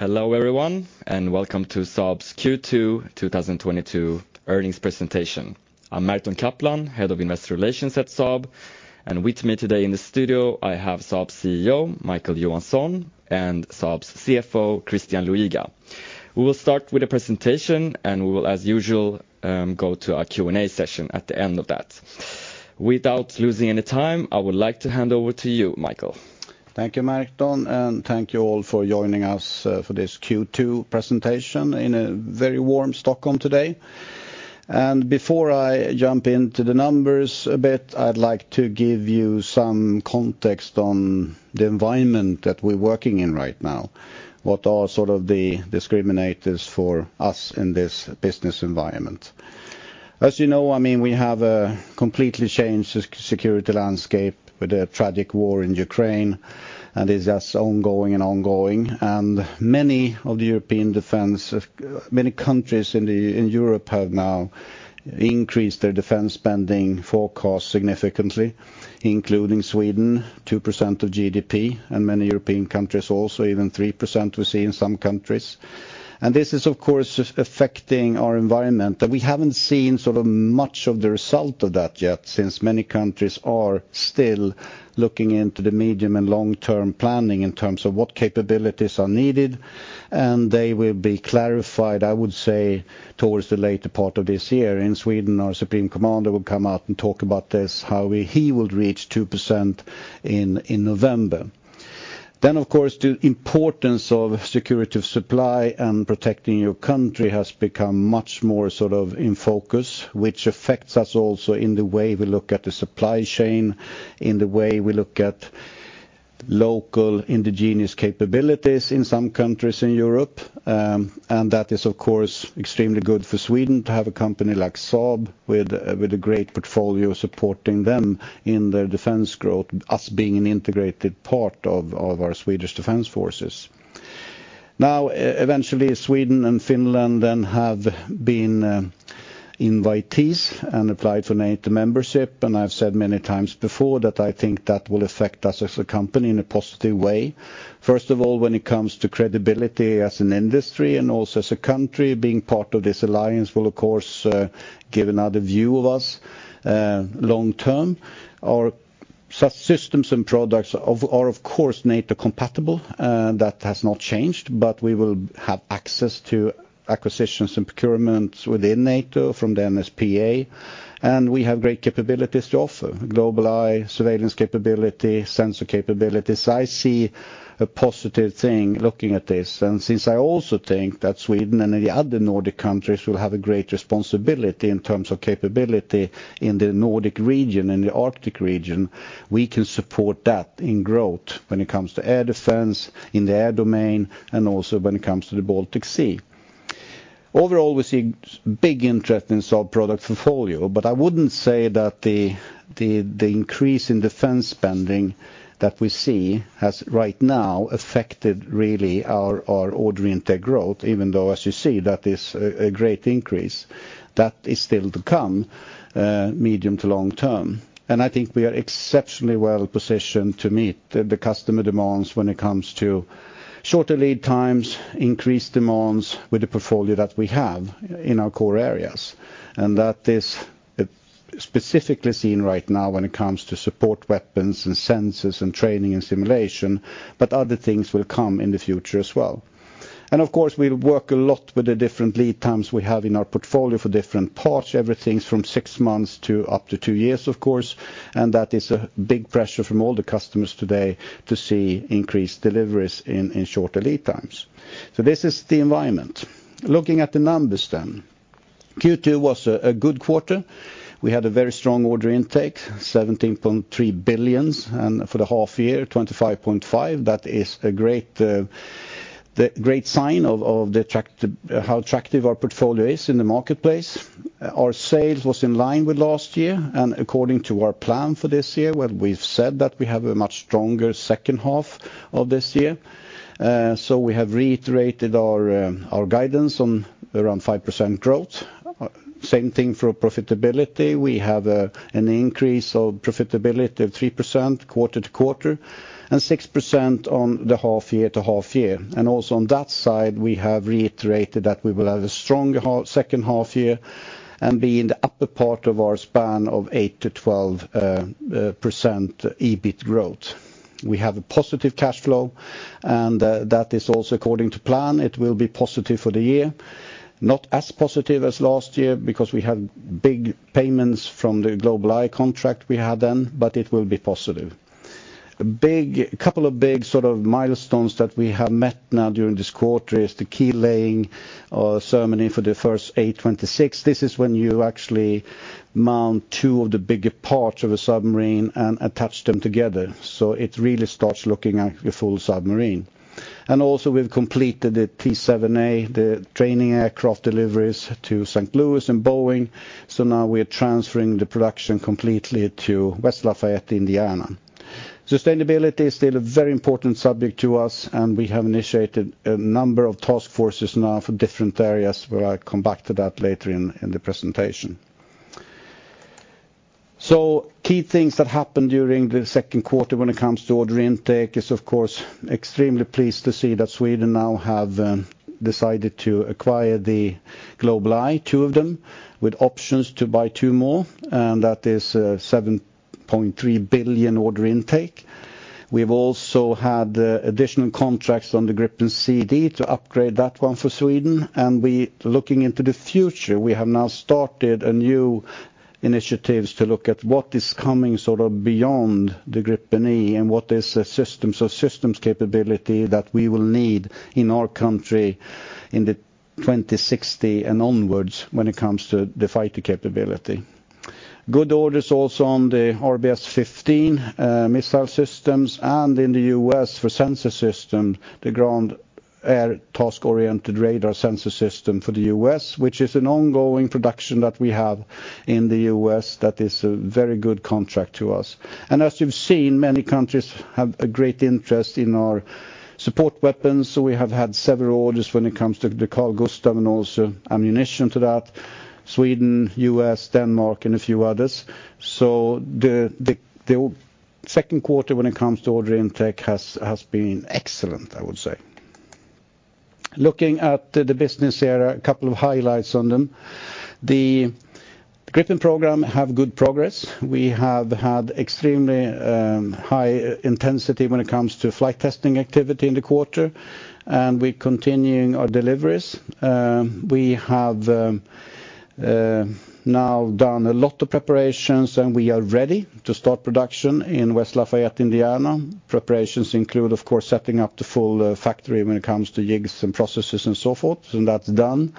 Hello, everyone, and welcome to Saab's Q2 2022 earnings presentation. I'm Merton Kaplan, Head of Investor Relations at Saab, and with me today in the studio, I have Saab's CEO, Micael Johansson, and Saab's CFO, Christian Luiga. We will start with a presentation, and we will, as usual, go to our Q&A session at the end of that. Without losing any time, I would like to hand over to you, Micael. Thank you, Merton, and thank you all for joining us for this Q2 presentation in a very warm Stockholm today. Before I jump into the numbers a bit, I'd like to give you some context on the environment that we're working in right now, what are sort of the discriminators for us in this business environment. As you know, I mean, we have a completely changed security landscape with the tragic war in Ukraine, and it is just ongoing. Many countries in Europe have now increased their defense spending forecast significantly, including Sweden, 2% of GDP, and many European countries also, even 3% we see in some countries. This is, of course, affecting our environment. We haven't seen sort of much of the result of that yet, since many countries are still looking into the medium and long-term planning in terms of what capabilities are needed, and they will be clarified, I would say, towards the later part of this year. In Sweden, our Supreme Commander will come out and talk about this, how he will reach 2% in November. Of course, the importance of security of supply and protecting your country has become much more sort of in focus, which affects us also in the way we look at the supply chain, in the way we look at local indigenous capabilities in some countries in Europe, and that is, of course, extremely good for Sweden to have a company like Saab with a great portfolio supporting them in their defense growth, us being an integrated part of our Swedish Armed Forces. Eventually, Sweden and Finland then have been invitees and applied for NATO membership, and I've said many times before that I think that will affect us as a company in a positive way. First of all, when it comes to credibility as an industry and also as a country, being part of this alliance will of course give another view of us long term. Our systems and products are of course NATO compatible, that has not changed, but we will have access to acquisitions and procurements within NATO from the NSPA, and we have great capabilities to offer, GlobalEye, surveillance capability, sensor capabilities. I see a positive thing looking at this. Since I also think that Sweden and the other Nordic countries will have a great responsibility in terms of capability in the Nordic region and the Arctic region, we can support that in growth when it comes to air defense, in the air domain, and also when it comes to the Baltic Sea. Overall, we see big interest in Saab product portfolio, but I wouldn't say that the increase in defense spending that we see has right now affected really our order intake growth, even though as you see that is a great increase, that is still to come, medium to long term. I think we are exceptionally well-positioned to meet the customer demands when it comes to shorter lead times, increased demands with the portfolio that we have in our core areas. That is specifically seen right now when it comes to support weapons and sensors and training and simulation, but other things will come in the future as well. Of course, we work a lot with the different lead times we have in our portfolio for different parts. Everything's from six months to up to two years, of course, and that is a big pressure from all the customers today to see increased deliveries in shorter lead times. This is the environment. Looking at the numbers then. Q2 was a good quarter. We had a very strong order intake, 17.3 billion, and for the half year, 25.5 billion. That is a great sign of how attractive our portfolio is in the marketplace. Our sales was in line with last year, and according to our plan for this year, where we've said that we have a much stronger second half of this year. We have reiterated our guidance on around 5% growth. Same thing for profitability. We have an increase of profitability of 3% quarter-to-quarter and 6% on the half-year to half-year. Also on that side, we have reiterated that we will have a stronger second half-year and be in the upper part of our span of 8%-12% EBIT growth. We have a positive cash flow, and that is also according to plan. It will be positive for the year. Not as positive as last year because we had big payments from the GlobalEye contract we had then, but it will be positive. A couple of big sort of milestones that we have met now during this quarter is the keel-laying ceremony for the first A26. This is when you actually mount two of the bigger parts of a submarine and attach them together, so it really starts looking like a full submarine. Also we've completed the T-7A, the training aircraft deliveries to St. Louis and Boeing, so now we're transferring the production completely to West Lafayette, Indiana. Sustainability is still a very important subject to us, and we have initiated a number of task forces now for different areas, where I come back to that later in the presentation. Key things that happened during the second quarter when it comes to order intake is, of course, extremely pleased to see that Sweden now have decided to acquire the GlobalEye, two of them, with options to buy two more, and that is 7.3 billion order intake. We've also had additional contracts on the Gripen C/D to upgrade that one for Sweden. Looking into the future, we have now started a new initiatives to look at what is coming sort of beyond the Gripen E and what is the systems of systems capability that we will need in our country in 2060 and onwards when it comes to the fighter capability. Good orders also on the RBS 15 missile systems and in the U.S. for sensor system, the Ground/Air Task Oriented Radar sensor system for the U.S., which is an ongoing production that we have in the U.S. that is a very good contract to us. As you've seen, many countries have a great interest in our support weapons. We have had several orders when it comes to the Carl-Gustaf and also ammunition to that, Sweden, U.S., Denmark, and a few others. The second quarter when it comes to order intake has been excellent, I would say. Looking at the business area, a couple of highlights on them. The Gripen program have good progress. We have had extremely high intensity when it comes to flight testing activity in the quarter, and we're continuing our deliveries. We have now done a lot of preparations, and we are ready to start production in West Lafayette, Indiana. Preparations include, of course, setting up the full factory when it comes to jigs and processes and so forth, and that's done.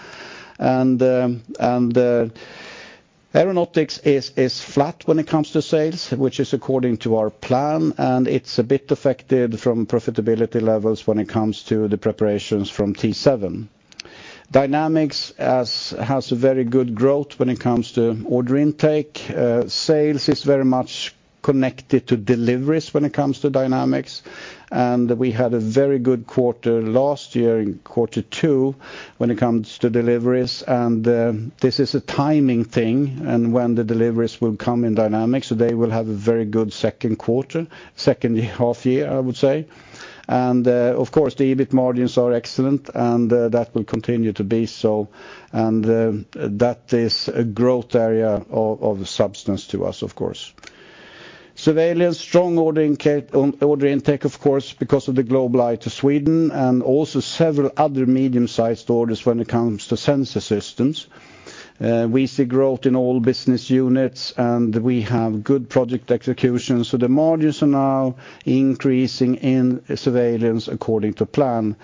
Aeronautics is flat when it comes to sales, which is according to our plan, and it's a bit affected from profitability levels when it comes to the preparations from T-7. Dynamics has a very good growth when it comes to order intake. Sales is very much connected to deliveries when it comes to Dynamics. We had a very good quarter last year in quarter two when it comes to deliveries. This is a timing thing and when the deliveries will come in Dynamics, they will have a very good second quarter, second half year, I would say. Of course, the EBIT margins are excellent and that will continue to be so. That is a growth area of substance to us, of course. Surveillance, strong order intake, of course, because of the GlobalEye to Sweden and also several other medium-sized orders when it comes to sensor systems. We see growth in all business units, and we have good project execution. The margins are now increasing in Surveillance according to plan.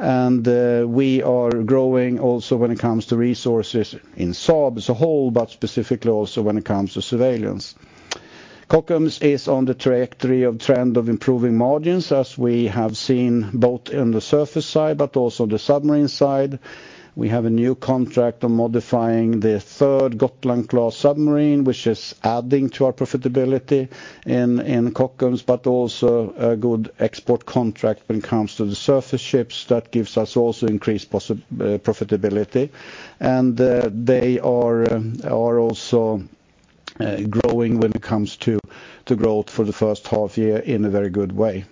We are growing also when it comes to resources in Saab as a whole, but specifically also when it comes to Surveillance. Kockums is on the trajectory of trend of improving margins, as we have seen both in the surface side but also the submarine side. We have a new contract on modifying the third Gotland class submarine, which is adding to our profitability in Kockums, but also a good export contract when it comes to the surface ships. That gives us also increased profitability. They are also growing when it comes to growth for the first half year in a very good way.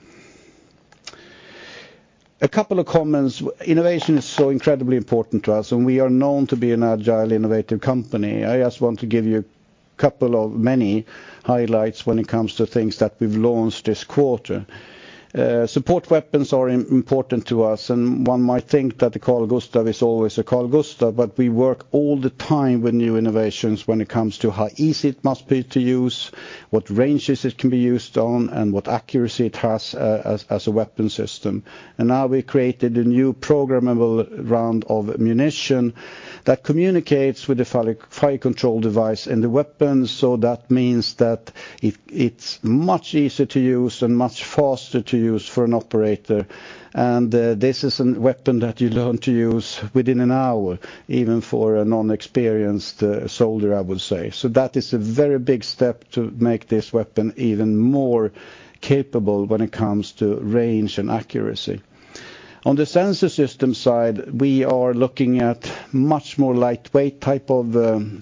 A couple of comments. Innovation is so incredibly important to us, and we are known to be an agile, innovative company. I just want to give you a couple of many highlights when it comes to things that we've launched this quarter. Support weapons are important to us, and one might think that the Carl-Gustaf is always a Carl-Gustaf, but we work all the time with new innovations when it comes to how easy it must be to use, what ranges it can be used on, and what accuracy it has, as a weapon system. Now we created a new programmable round of ammunition that communicates with the fire control device and the weapon. That means that it's much easier to use and much faster to use for an operator. This is a weapon that you learn to use within an hour, even for a non-experienced soldier, I would say. That is a very big step to make this weapon even more capable when it comes to range and accuracy. On the sensor system side, we are looking at much more lightweight type of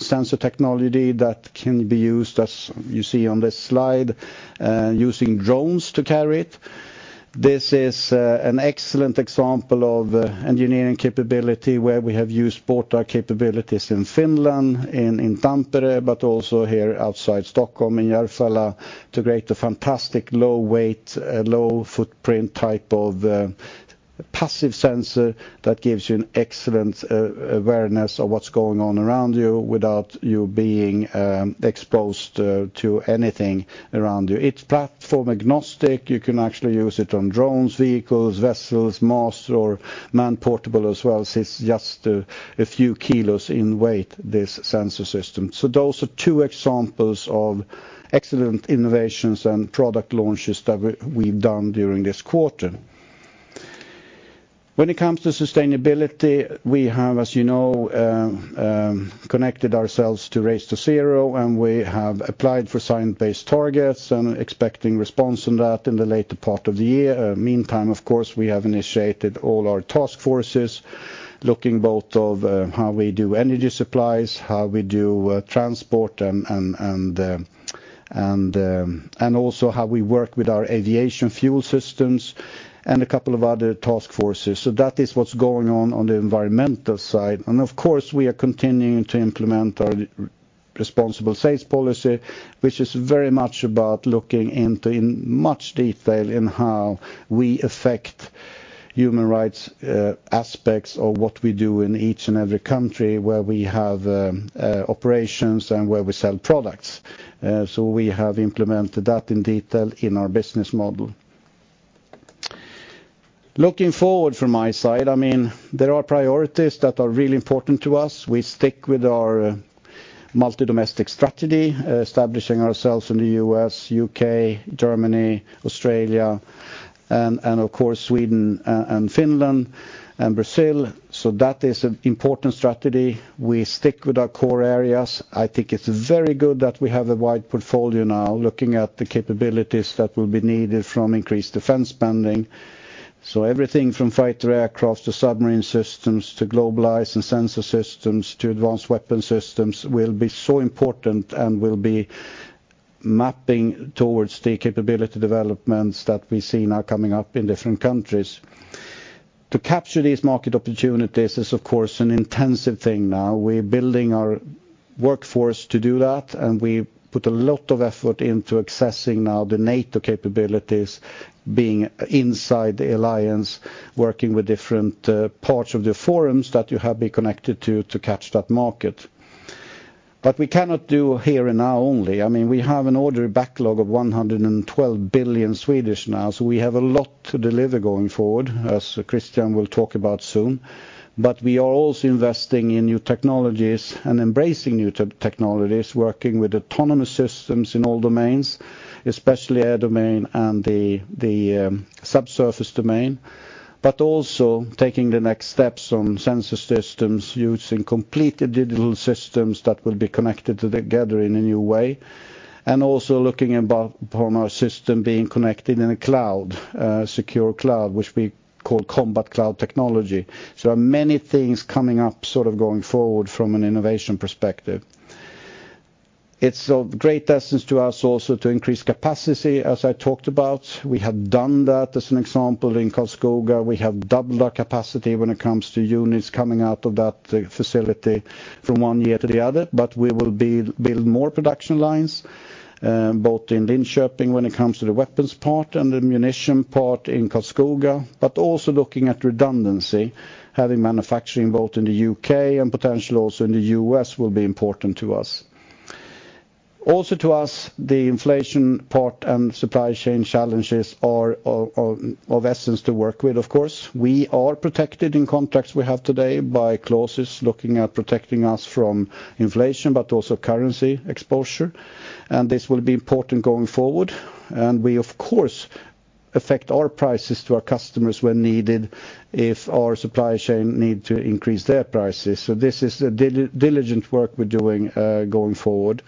sensor technology that can be used, as you see on this slide, using drones to carry it. This is an excellent example of engineering capability, where we have used both our capabilities in Finland, in Tampere, but also here outside Stockholm in Järfälla, to create a fantastic low weight, low footprint type of passive sensor that gives you an excellent awareness of what's going on around you without you being exposed to anything around you. It's platform agnostic. You can actually use it on drones, vehicles, vessels, mast, or man-portable as well. It's just a few kilos in weight, this sensor system. Those are two examples of excellent innovations and product launches that we've done during this quarter. When it comes to sustainability, we have, as you know, connected ourselves to Race to Zero, and we have applied for Science Based Targets and expecting response on that in the later part of the year. Meantime, of course, we have initiated all our task forces. Looking at both how we do energy supplies, how we do transport and also how we work with our aviation fuel systems and a couple of other task forces. That is what's going on on the environmental side. Of course, we are continuing to implement our responsible sales policy, which is very much about looking into, in much detail, how we affect human rights aspects of what we do in each and every country where we have operations and where we sell products. We have implemented that in detail in our business model. Looking forward from my side, I mean, there are priorities that are really important to us. We stick with our multi-domestic strategy, establishing ourselves in the U.S., U.K., Germany, Australia, and of course, Sweden and Finland and Brazil. That is an important strategy. We stick with our core areas. I think it's very good that we have a wide portfolio now looking at the capabilities that will be needed from increased defense spending. Everything from fighter aircraft to submarine systems, to GlobalEye and sensor systems, to advanced weapon systems will be so important and will be mapping towards the capability developments that we see now coming up in different countries. To capture these market opportunities is of course an intensive thing now. We're building our workforce to do that, and we put a lot of effort into accessing now the NATO capabilities, being inside the alliance, working with different parts of the forums that you have been connected to catch that market. We cannot do here and now only. I mean, we have an order backlog of 112 billion. We have a lot to deliver going forward, as Christian will talk about soon. We are also investing in new technologies and embracing new technologies, working with autonomous systems in all domains, especially air domain and the subsurface domain. Also taking the next steps on sensor systems using complete digital systems that will be connected together in a new way. Also looking in both upon our system being connected in a cloud, secure cloud, which we call combat cloud technology. Many things coming up sort of going forward from an innovation perspective. It's of great essence to us also to increase capacity, as I talked about. We have done that as an example in Karlskoga. We have doubled our capacity when it comes to units coming out of that facility from one year to the other. We will build more production lines, both in Linköping when it comes to the weapons part and the munition part in Karlskoga, but also looking at redundancy, having manufacturing both in the U.K. and potentially also in the U.S. will be important to us. To us, the inflation part and supply chain challenges are of essence to work with, of course. We are protected in contracts we have today by clauses looking at protecting us from inflation, but also currency exposure. This will be important going forward. We of course adjust our prices to our customers when needed if our supply chain needs to increase their prices. This is the diligent work we're doing, going forward.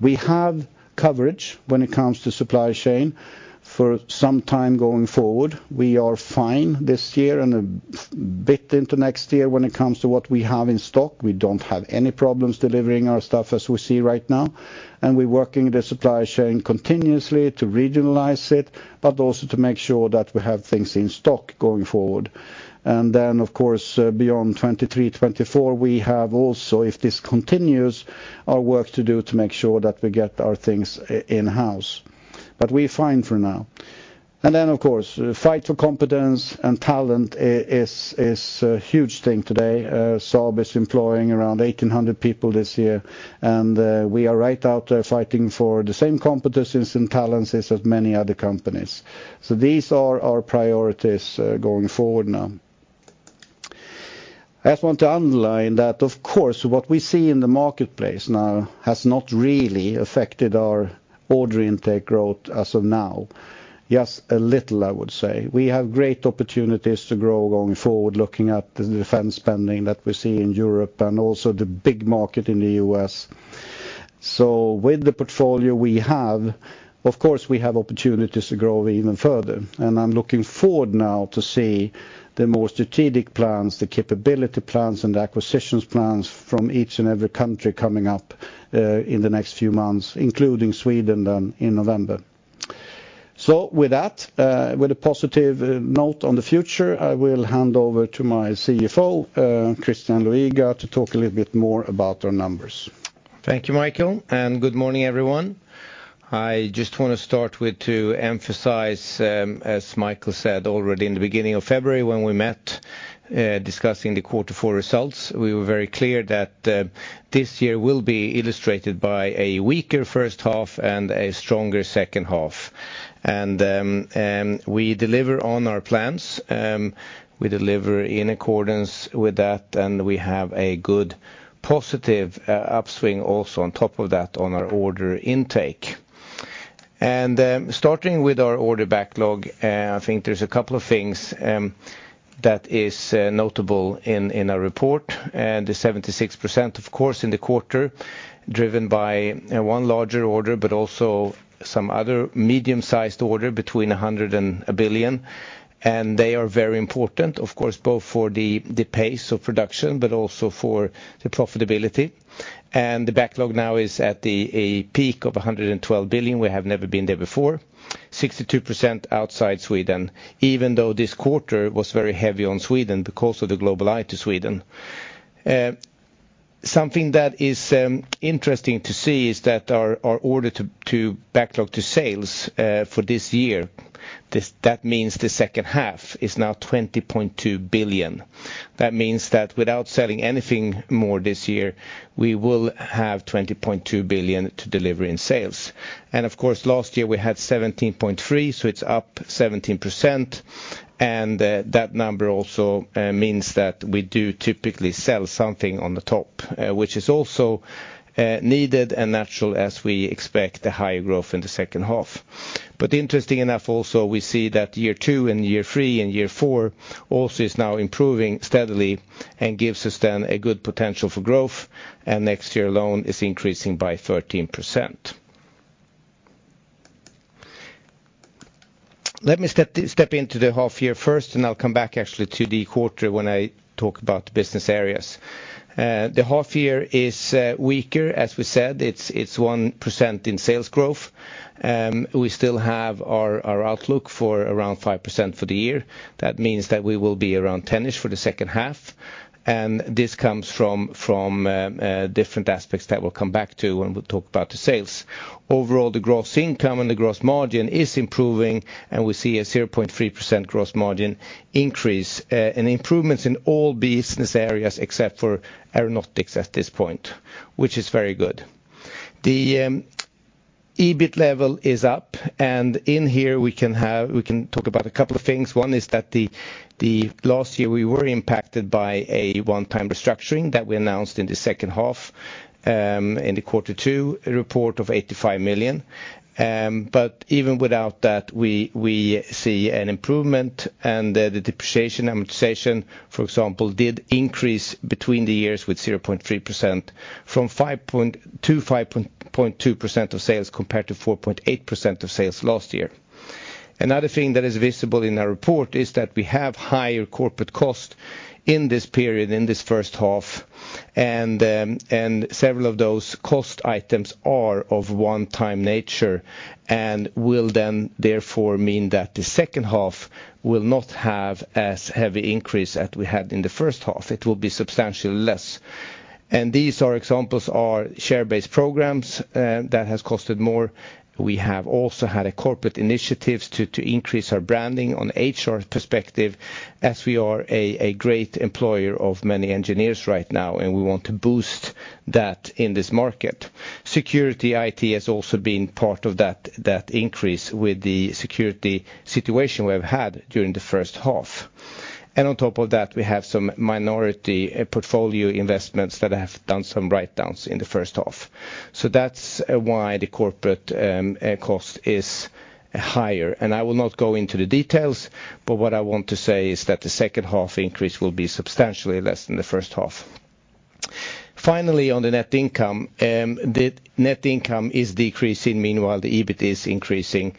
We have coverage when it comes to supply chain for some time going forward. We are fine this year and a bit into next year when it comes to what we have in stock. We don't have any problems delivering our stuff as we see right now. We're working the supply chain continuously to regionalize it, but also to make sure that we have things in stock going forward. Of course, beyond 2023, 2024, we have also, if this continues, our work to do to make sure that we get our things in-house. We're fine for now. Of course, fight for competence and talent is a huge thing today. Saab is employing around 1,800 people this year, and we are right out there fighting for the same competences and talents as many other companies. These are our priorities going forward now. I just want to underline that of course, what we see in the marketplace now has not really affected our order intake growth as of now. Just a little, I would say. We have great opportunities to grow going forward, looking at the defense spending that we see in Europe and also the big market in the U.S. With the portfolio we have, of course, we have opportunities to grow even further. I'm looking forward now to see the more strategic plans, the capability plans, and the acquisitions plans from each and every country coming up, in the next few months, including Sweden then in November. With that, with a positive, note on the future, I will hand over to my CFO, Christian Luiga, to talk a little bit more about our numbers. Thank you, Michael, and good morning, everyone. I just want to start with to emphasize, as Michael said already in the beginning of February when we met, discussing the quarter four results, we were very clear that, this year will be illustrated by a weaker first half and a stronger second half. We deliver on our plans. We deliver in accordance with that, and we have a good positive, upswing also on top of that on our order intake. Starting with our order backlog, I think there's a couple of things, that is notable in our report. The 76%, of course, in the quarter driven by one larger order, but also some other medium-sized order between 100 million and 1 billion. They are very important, of course, both for the pace of production, but also for the profitability. The backlog now is at a peak of 112 billion. We have never been there before. 62% outside Sweden, even though this quarter was very heavy on Sweden because of the GlobalEye to Sweden. Something that is interesting to see is that our order to backlog to sales for this year, that means the second half, is now 20.2 billion. That means that without selling anything more this year, we will have 20.2 billion to deliver in sales. Of course, last year we had 17.3, so it's up 17%. That number also means that we do typically sell something on the top, which is also needed and natural as we expect the higher growth in the second half. Interesting enough also, we see that year two and year three and year four also is now improving steadily and gives us then a good potential for growth, and next year alone is increasing by 13%. Let me step into the half year first, and I'll come back actually to the quarter when I talk about the business areas. The half year is weaker. As we said, it's 1% in sales growth. We still have our outlook for around 5% for the year. That means that we will be around ten-ish for the second half. This comes from different aspects that we'll come back to when we talk about the sales. Overall, the gross income and the gross margin is improving, and we see a 0.3% gross margin increase, and improvements in all business areas except for Aeronautics at this point, which is very good. The EBIT level is up, and in here we can talk about a couple of things. One is that the last year we were impacted by a one-time restructuring that we announced in the second half in the quarter two report of 85 million. Even without that, we see an improvement and the depreciation amortization, for example, did increase between the years with 0.3% from 5%-5.2% of sales compared to 4.8% of sales last year. Another thing that is visible in our report is that we have higher corporate cost in this period, in this first half. Several of those cost items are of one-time nature and will then therefore mean that the second half will not have as heavy increase as we had in the first half. It will be substantially less. These are examples are share-based programs that has costed more. We have also had corporate initiatives to increase our branding on HR perspective as we are a great employer of many engineers right now, and we want to boost that in this market. Security IT has also been part of that increase with the security situation we have had during the first half. On top of that, we have some minority portfolio investments that have done some writedowns in the first half. That's why the corporate cost is higher. I will not go into the details, but what I want to say is that the second half increase will be substantially less than the first half. Finally, on the net income, the net income is decreasing. Meanwhile, the EBIT is increasing.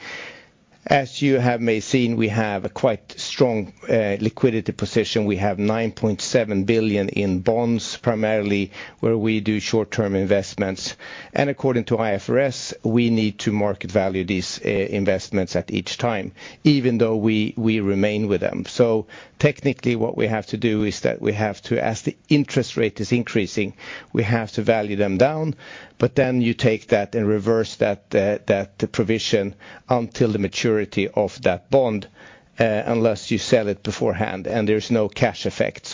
As you may have seen, we have a quite strong liquidity position. We have 9.7 billion in bonds, primarily where we do short-term investments. According to IFRS, we need to market value these investments at each time, even though we remain with them. Technically, what we have to do is that we have to, as the interest rate is increasing, we have to value them down. You take that and reverse that provision until the maturity of that bond, unless you sell it beforehand and there's no cash effect.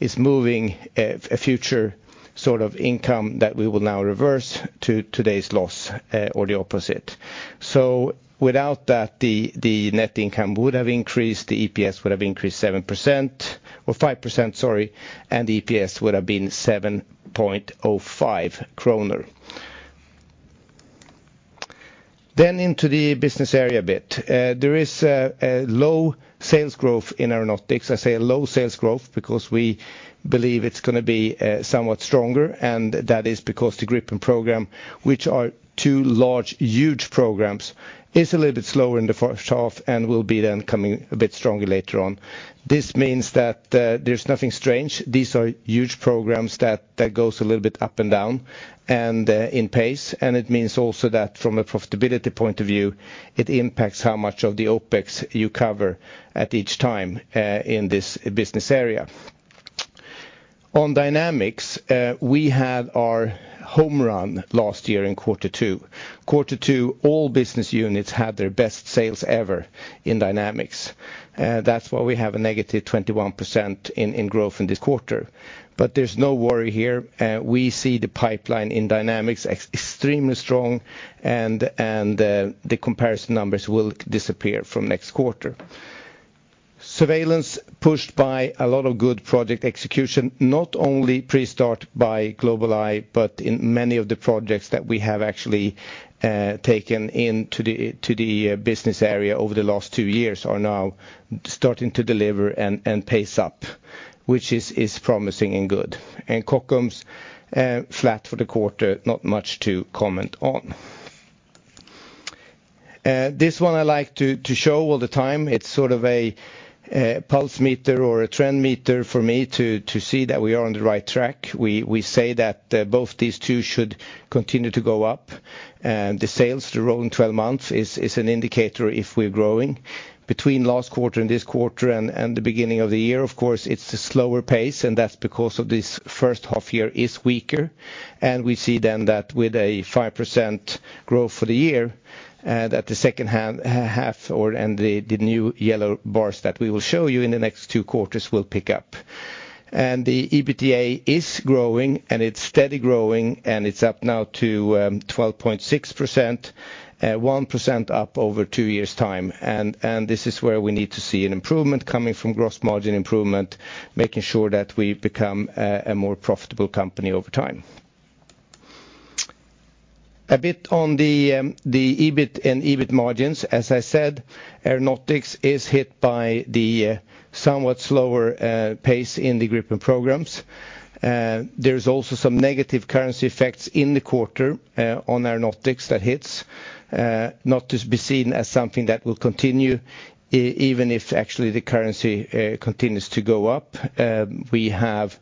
It's moving a future sort of income that we will now reverse to today's loss, or the opposite. Without that, the net income would have increased, the EPS would have increased 7% or 5%, sorry, and EPS would have been 7.05 kronor. Into the business area a bit. There is a low sales growth in Aeronautics. I say a low sales growth because we believe it's gonna be somewhat stronger, and that is because the Gripen program, which are two large, huge programs, is a little bit slower in the first half and will be then coming a bit stronger later on. This means that there's nothing strange. These are huge programs that goes a little bit up and down and in pace. It means also that from a profitability point of view, it impacts how much of the OpEx you cover at each time in this business area. On Dynamics, we had our home run last year in quarter two. Quarter two, all business units had their best sales ever in Dynamics. That's why we have a negative 21% in growth in this quarter. There's no worry here. We see the pipeline in Dynamics extremely strong and the comparison numbers will disappear from next quarter. Surveillance pushed by a lot of good project execution, not only pre-start by GlobalEye, but in many of the projects that we have actually taken into the business area over the last two years are now starting to deliver and pace up, which is promising and good. Kockums flat for the quarter, not much to comment on. This one I like to show all the time. It's sort of a pulse meter or a trend meter for me to see that we are on the right track. We say that both these two should continue to go up. The sales, the rolling twelve months is an indicator if we're growing. Between last quarter and this quarter and the beginning of the year, of course, it's a slower pace, and that's because this first half year is weaker. We see then that with 5% growth for the year, that the second half and the new yellow bars that we will show you in the next two quarters will pick up. The EBITDA is growing, and it's steady growing, and it's up now to 12.6%, 1% up over two years' time. This is where we need to see an improvement coming from gross margin improvement, making sure that we become a more profitable company over time. A bit on the EBIT and EBIT margins. As I said, Aeronautics is hit by the somewhat slower pace in the Gripen programs. There's also some negative currency effects in the quarter on Aeronautics that hits. Not to be seen as something that will continue even if actually the currency continues to go up. We have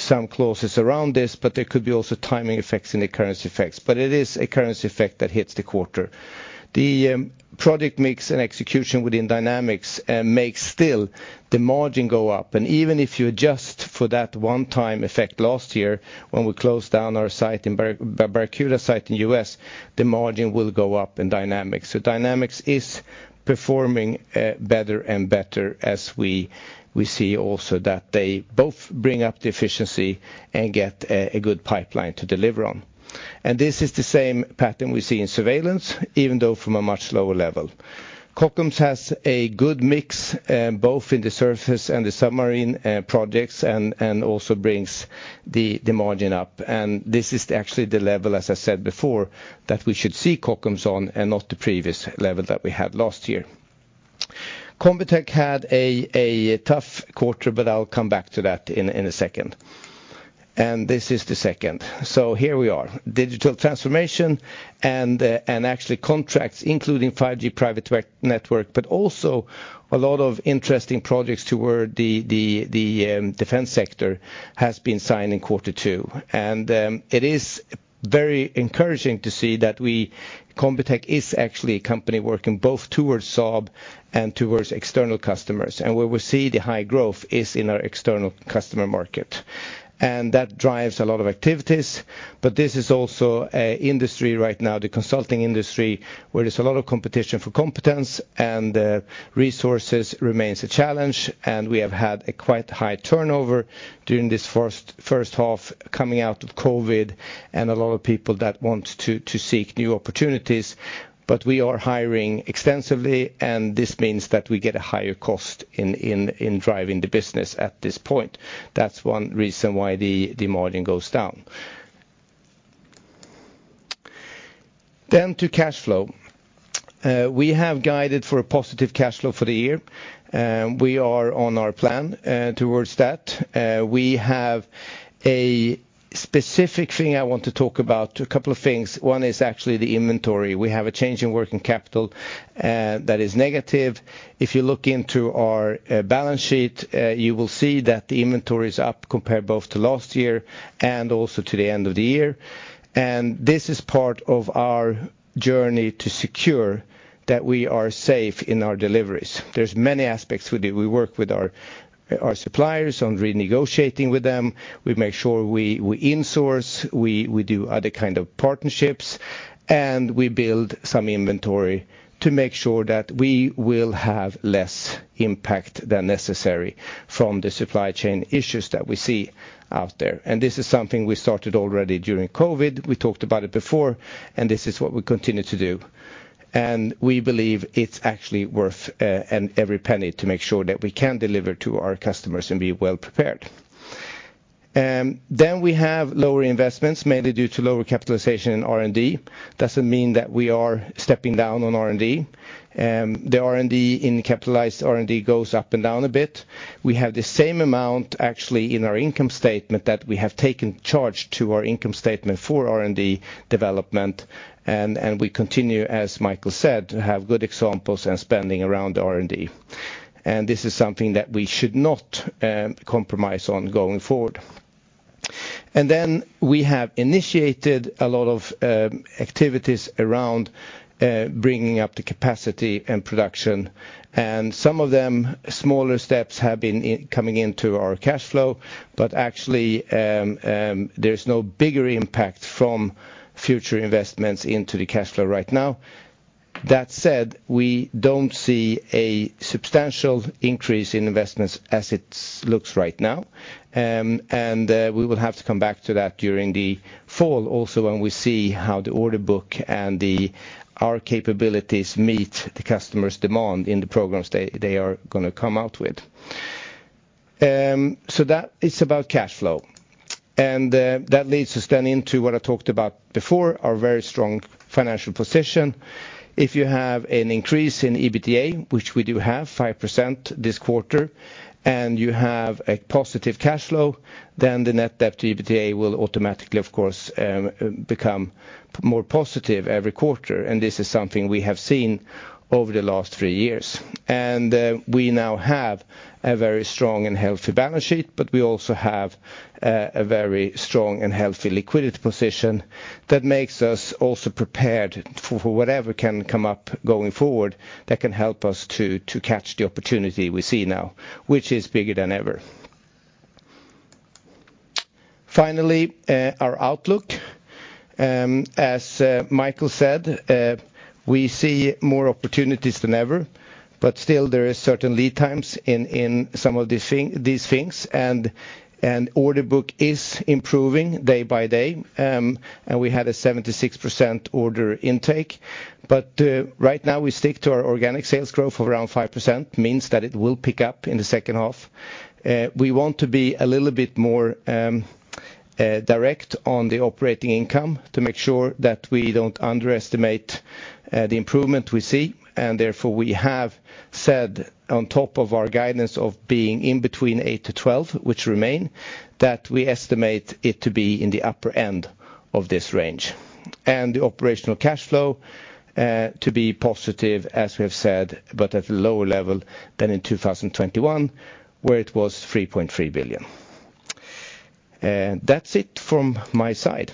some clauses around this, but there could be also timing effects and the currency effects. It is a currency effect that hits the quarter. The product mix and execution within Dynamics makes still the margin go up. Even if you adjust for that one-time effect last year when we closed down our site in Barracuda site in U.S., the margin will go up in Dynamics. Dynamics is performing better and better as we see also that they both bring up the efficiency and get a good pipeline to deliver on. This is the same pattern we see in Surveillance, even though from a much lower level. Kockums has a good mix both in the surface and the submarine projects and also brings the margin up. This is actually the level, as I said before, that we should see Kockums on and not the previous level that we had last year. Combitech had a tough quarter, but I'll come back to that in a second. This is the second. Here we are. Digital transformation and actually contracts, including 5G private network, but also a lot of interesting projects toward the defense sector has been signed in quarter two. It is very encouraging to see that Combitech is actually a company working both towards Saab and towards external customers. Where we see the high growth is in our external customer market. That drives a lot of activities, but this is also an industry right now, the consulting industry, where there's a lot of competition for competence and resources remains a challenge. We have had a quite high turnover during this first half coming out of COVID and a lot of people that want to seek new opportunities. We are hiring extensively, and this means that we get a higher cost in driving the business at this point. That's one reason why the margin goes down. To cash flow. We have guided for a positive cash flow for the year, and we are on our plan towards that. We have a specific thing I want to talk about, a couple of things. One is actually the inventory. We have a change in working capital that is negative. If you look into our balance sheet, you will see that the inventory is up compared both to last year and also to the end of the year. This is part of our journey to secure that we are safe in our deliveries. There's many aspects we do. We work with our suppliers on renegotiating with them. We make sure we insource, we do other kind of partnerships, and we build some inventory to make sure that we will have less impact than necessary from the supply chain issues that we see out there. This is something we started already during COVID. We talked about it before, and this is what we continue to do. We believe it's actually worth and every penny to make sure that we can deliver to our customers and be well prepared. We have lower investments, mainly due to lower capitalization in R&D. Doesn't mean that we are stepping down on R&D. The R&D in capitalized R&D goes up and down a bit. We have the same amount actually in our income statement that we have taken charge to our income statement for R&D development. We continue, as Mikael said, to have good examples and spending around R&D. This is something that we should not compromise on going forward. Then we have initiated a lot of activities around bringing up the capacity and production. Some of them, smaller steps, have been coming into our cash flow, but actually, there's no bigger impact from future investments into the cash flow right now. That said, we don't see a substantial increase in investments as it looks right now. We will have to come back to that during the fall also when we see how the order book and our capabilities meet the customer's demand in the programs they are gonna come out with. That is about cash flow. That leads us then into what I talked about before, our very strong financial position. If you have an increase in EBITDA, which we do have, 5% this quarter, and you have a positive cash flow, then the net debt to EBITDA will automatically, of course, become more positive every quarter. This is something we have seen over the last three years. We now have a very strong and healthy balance sheet, but we also have a very strong and healthy liquidity position that makes us also prepared for whatever can come up going forward that can help us to catch the opportunity we see now, which is bigger than ever. Finally, our outlook. As Micael said, we see more opportunities than ever, but still there is certain lead times in some of these things and order book is improving day by day. We had a 76% order intake. Right now we stick to our organic sales growth of around 5%, means that it will pick up in the second half. We want to be a little bit more direct on the operating income to make sure that we don't underestimate the improvement we see, and therefore we have said on top of our guidance of being in between 8%-12%, which remain, that we estimate it to be in the upper end of this range. The operational cash flow to be positive as we have said, but at a lower level than in 2021, where it was 3.3 billion. That's it from my side.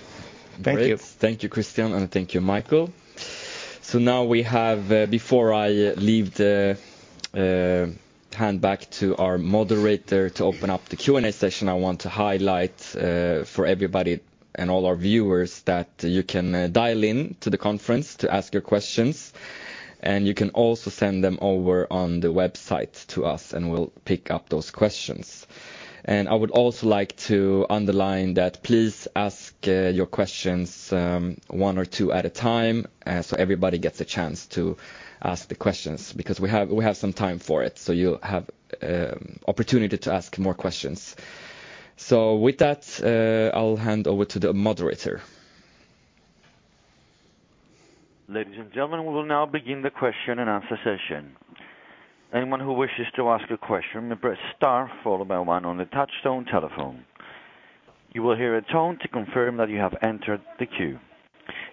Thank you. Great. Thank you, Christian, and thank you, Micael. Now we have, before I hand back to our moderator to open up the Q&A session, I want to highlight, for everybody and all our viewers that you can dial in to the conference to ask your questions, and you can also send them over on the website to us, and we'll pick up those questions. I would also like to underline that please ask your questions one or two at a time, so everybody gets a chance to ask the questions because we have some time for it. You'll have opportunity to ask more questions. With that, I'll hand over to the moderator. Ladies and gentlemen, we will now begin the question and answer session. Anyone who wishes to ask a question may press star followed by one on the touchtone telephone. You will hear a tone to confirm that you have entered the queue.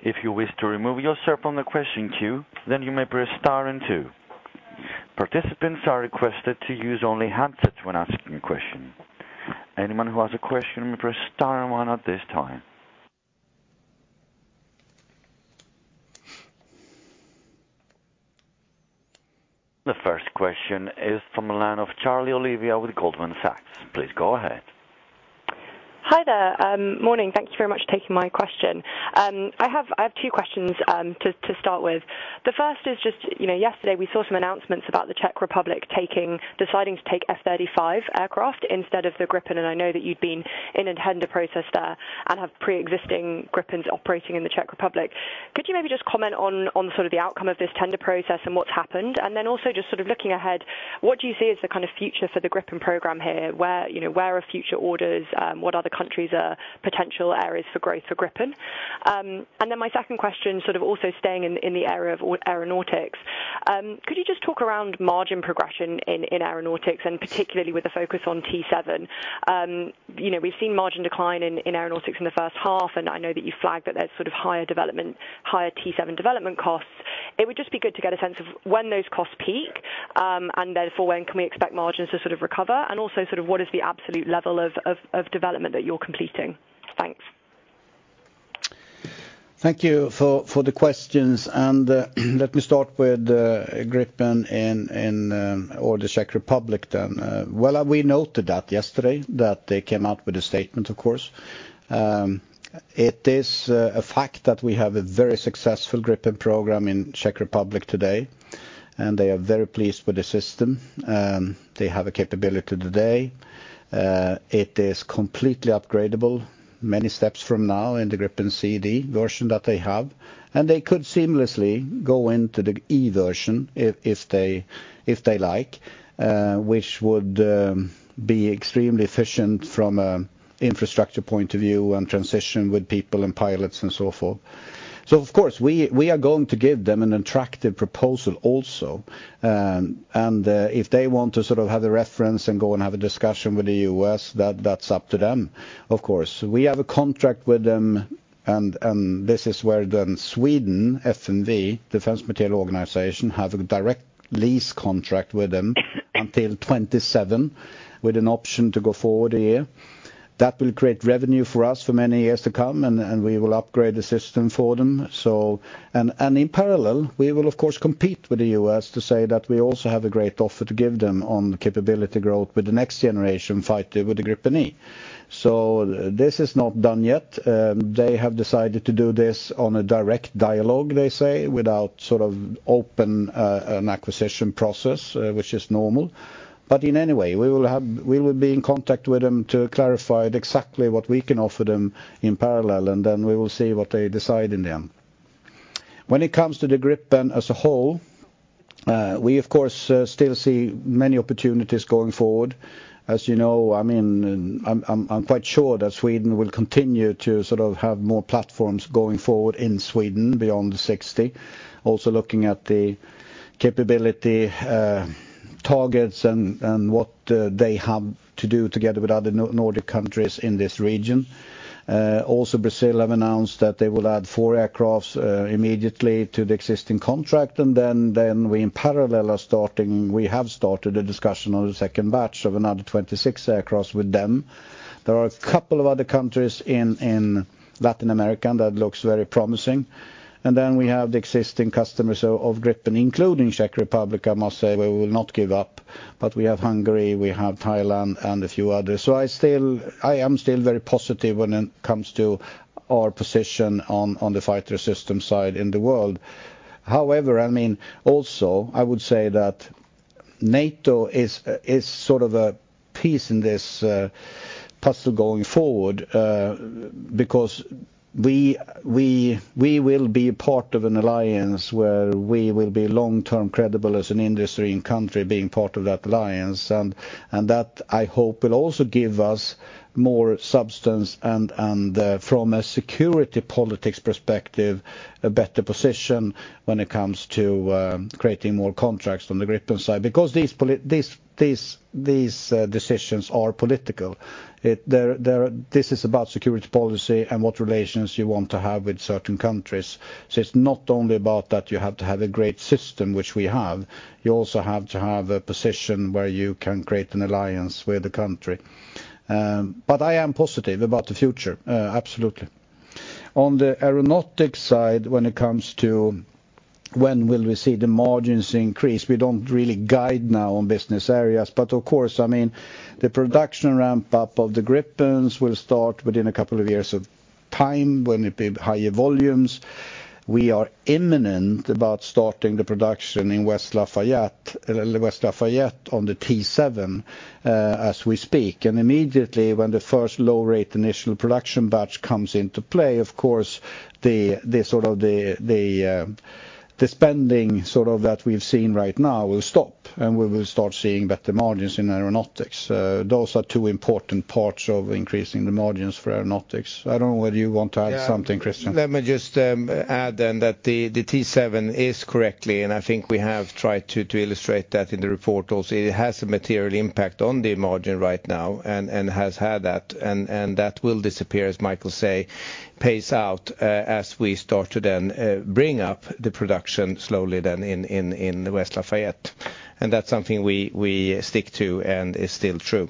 If you wish to remove yourself from the question queue, then you may press star and two. Participants are requested to use only handsets when asking a question. Anyone who has a question may press star and one at this time. The first question is from the line of Charley Olivia with Goldman Sachs. Please go ahead. Hi there. Morning. Thank you very much for taking my question. I have two questions to start with. The first is just, you know, yesterday we saw some announcements about the Czech Republic deciding to take F-35 aircraft instead of the Gripen, and I know that you'd been in a tender process there and have pre-existing Gripens operating in the Czech Republic. Could you maybe just comment on sort of the outcome of this tender process and what's happened? Then also just sort of looking ahead, what do you see as the kind of future for the Gripen program here? Where, you know, where are future orders? What other countries are potential areas for growth for Gripen? My second question, sort of also staying in the area of Aeronautics, could you just talk around margin progression in Aeronautics and particularly with the focus on T-7? You know, we've seen margin decline in Aeronautics in the first half, and I know that you flagged that there's sort of higher development, higher T-7 development costs. It would just be good to get a sense of when those costs peak, and therefore when can we expect margins to sort of recover, and also sort of what is the absolute level of development that you're completing? Thanks. Thank you for the questions, and let me start with Gripen or the Czech Republic then. Well, we noted yesterday that they came out with a statement, of course. It is a fact that we have a very successful Gripen program in Czech Republic today, and they are very pleased with the system. They have a capability today. It is completely upgradable many steps from now in the Gripen C/D version that they have. They could seamlessly go into the E version if they like, which would be extremely efficient from infrastructure point of view and transition with people and pilots and so forth. Of course, we are going to give them an attractive proposal also. If they want to sort of have the reference and go and have a discussion with the U.S., that's up to them, of course. We have a contract with them and this is where then Sweden, FMV, Defence Materiel Administration, have a direct lease contract with them until 2027, with an option to go forward a year. That will create revenue for us for many years to come and we will upgrade the system for them. In parallel, we will of course compete with the U.S. to say that we also have a great offer to give them on capability growth with the next generation fighter with the Gripen E. This is not done yet. They have decided to do this on a direct dialogue, they say, without sort of open an acquisition process, which is normal. In any way, we will be in contact with them to clarify exactly what we can offer them in parallel, and then we will see what they decide in the end. When it comes to the Gripen as a whole, we of course still see many opportunities going forward. As you know, I mean, I'm quite sure that Sweden will continue to sort of have more platforms going forward in Sweden beyond the 60. Also looking at the capability targets and what they have to do together with other Nordic countries in this region. Also Brazil have announced that they will add 4 aircraft immediately to the existing contract. Then we in parallel have started a discussion on the second batch of another 26 aircraft with them. There are a couple of other countries in Latin America that looks very promising. Then we have the existing customers of Gripen, including Czech Republic. I must say we will not give up, but we have Hungary, we have Thailand, and a few others. I am still very positive when it comes to our position on the fighter system side in the world. However, I mean, also, I would say that NATO is sort of a piece in this puzzle going forward. Because we will be part of an alliance where we will be long-term credible as an industry and country being part of that alliance. that I hope will also give us more substance from a security politics perspective, a better position when it comes to creating more contracts on the Gripen side. Because these decisions are political. This is about security policy and what relations you want to have with certain countries. It's not only about that you have to have a great system, which we have, you also have to have a position where you can create an alliance with the country. I am positive about the future, absolutely. On the Aeronautics side, when it comes to when will we see the margins increase, we don't really guide now on business areas. Of course, I mean, the production ramp up of the Gripens will start within a couple of years of time when it be higher volumes. We are imminent about starting the production in West Lafayette on the T-7 as we speak. Immediately, when the first low rate initial production batch comes into play, of course, the sort of spending that we've seen right now will stop, and we will start seeing better margins in Aeronautics. Those are two important parts of increasing the margins for Aeronautics. I don't know whether you want to add something, Christian. Yeah. Let me just add then that the T-7 is correctly, and I think we have tried to illustrate that in the report also. It has a material impact on the margin right now and has had that and that will disappear, as Michael says, phase out, as we start to then bring up the production slowly then in West Lafayette. That's something we stick to and is still true.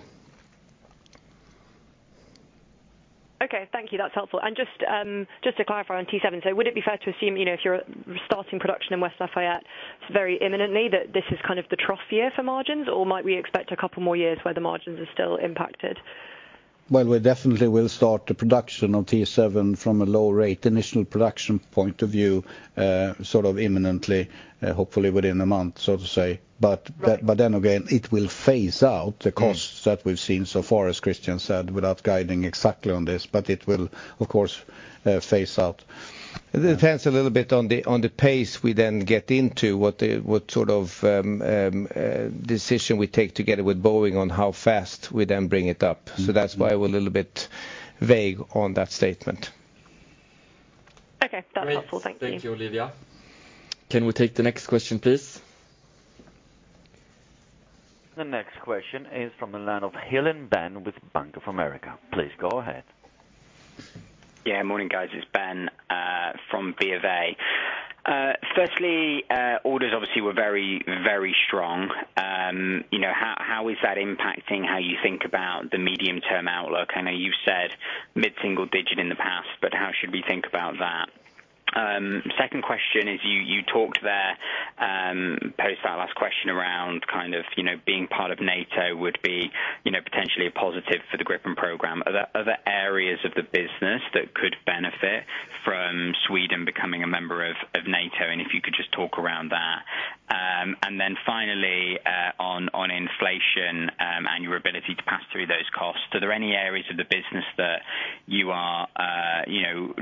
Okay. Thank you. That's helpful. Just to clarify on T-7, so would it be fair to assume, you know, if you're starting production in West Lafayette very imminently that this is kind of the trough year for margins, or might we expect a couple more years where the margins are still impacted? Well, we definitely will start the production on T-7 from a low rate initial production point of view, sort of imminently, hopefully within a month, so to say. Right. It will phase out the costs. Yeah. That we've seen so far, as Christian said, without guiding exactly on this, but it will of course phase out. It depends a little bit on the pace we then get into what sort of decision we take together with Boeing on how fast we then bring it up. Mm-hmm. That's why we're a little bit vague on that statement. Okay. That's helpful. Thank you. Great. Thank you, Olivia. Can we take the next question, please? The next question is from the line of Heelan Ben with Bank of America. Please go ahead. Yeah. Morning, guys. It's Ben from BofA. Firstly, orders obviously were very, very strong. You know, how is that impacting how you think about the medium-term outlook? I know you've said mid-single digit in the past, but how should we think about that? Second question is you talked there post that last question around kind of, you know, being part of NATO would be, you know, potentially a positive for the Gripen program. Are there other areas of the business that could benefit from Sweden becoming a member of NATO, and if you could just talk around that. Finally, on inflation and your ability to pass through those costs, are there any areas of the business that you are, you know,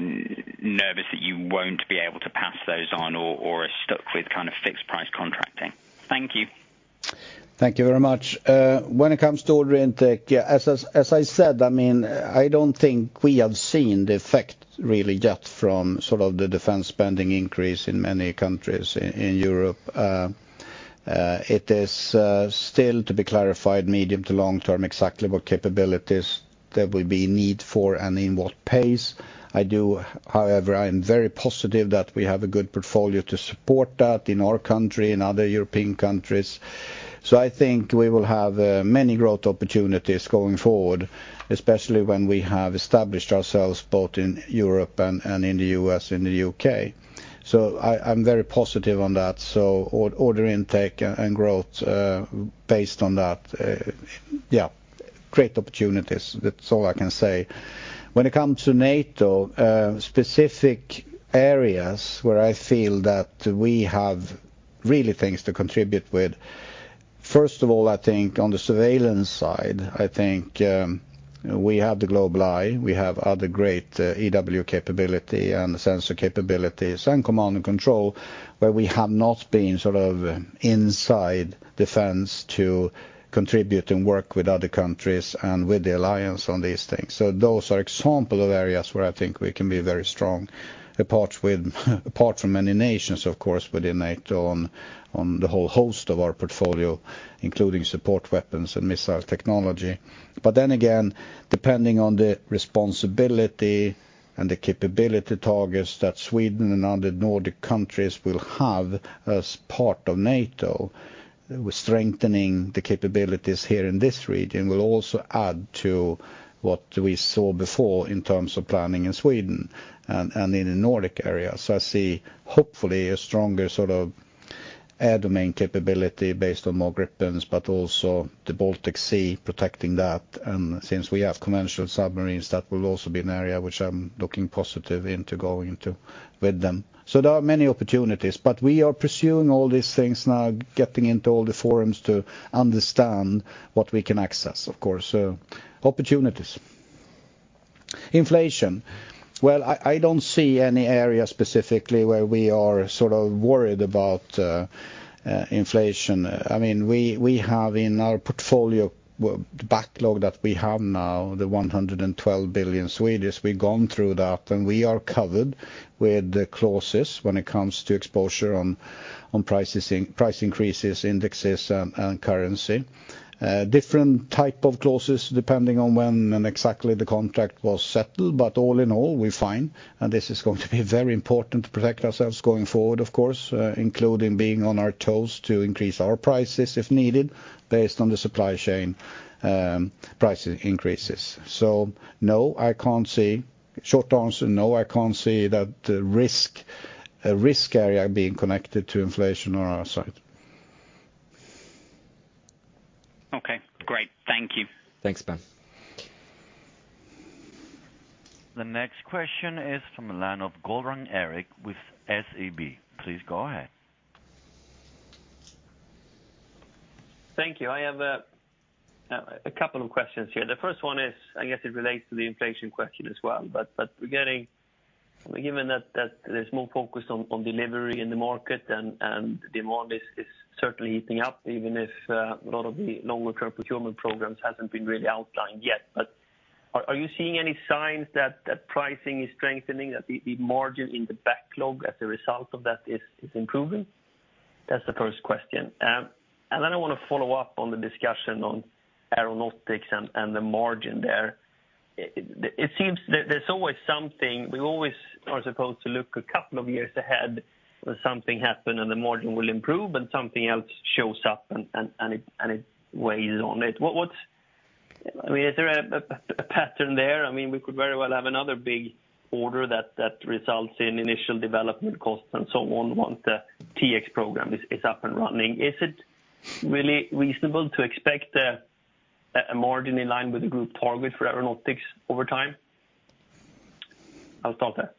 nervous that you won't be able to pass those on or are stuck with kind of fixed price contracting? Thank you. Thank you very much. When it comes to order intake, yeah, as I said, I mean, I don't think we have seen the effect really yet from sort of the defense spending increase in many countries in Europe. It is still to be clarified medium to long term exactly what capabilities there will be need for and in what pace. However, I am very positive that we have a good portfolio to support that in our country and other European countries. I think we will have many growth opportunities going forward, especially when we have established ourselves both in Europe and in the U.S., and the U.K. I'm very positive on that. Order intake and growth based on that, yeah, great opportunities. That's all I can say. When it comes to NATO, specific areas where I feel that we have really things to contribute with. First of all, I think on the surveillance side, we have the GlobalEye, we have other great EW capability and sensor capabilities and command and control, where we have not been sort of inside defense to contribute and work with other countries and with the alliance on these things. Those are example of areas where I think we can be very strong. Apart from many nations, of course, within NATO on the whole host of our portfolio, including support weapons and missile technology. Depending on the responsibility and the capability targets that Sweden and other Nordic countries will have as part of NATO, we're strengthening the capabilities here in this region. We'll also add to what we saw before in terms of planning in Sweden and in the Nordic area. I see hopefully a stronger sort of air domain capability based on more Gripens, but also the Baltic Sea protecting that. Since we have conventional submarines, that will also be an area which I'm looking positive into going into with them. There are many opportunities. We are pursuing all these things now, getting into all the forums to understand what we can access, of course. Opportunities. Inflation. Well, I don't see any area specifically where we are sort of worried about inflation. I mean, we have in our portfolio order backlog that we have now, 112 billion. We've gone through that, and we are covered with the clauses when it comes to exposure on prices, price increases, indexes, and currency. Different type of clauses depending on when and exactly the contract was settled. All in all, we're fine, and this is going to be very important to protect ourselves going forward, of course, including being on our toes to increase our prices if needed based on the supply chain, price increases. No, I can't see. Short answer, no, I can't see that risk, a risk area being connected to inflation on our side. Okay, great. Thank you. Thanks, Ben. The next question is from the line of Göran Erik with SEB. Please go ahead. Thank you. I have a couple of questions here. The first one is, I guess it relates to the inflation question as well. Given that there's more focus on delivery in the market and demand is certainly heating up, even if a lot of the longer term procurement programs hasn't been really outlined yet. Are you seeing any signs that pricing is strengthening, that the margin in the backlog as a result of that is improving? That's the first question. I want to follow up on the discussion on Aeronautics and the margin there. It seems there's always something. We always are supposed to look a couple of years ahead when something happen and the margin will improve and something else shows up and it weighs on it. I mean, is there a pattern there? I mean, we could very well have another big order that results in initial development costs and so on, once the T-X program is up and running. Is it really reasonable to expect a margin in line with the group target for aeronautics over time? I'll stop there.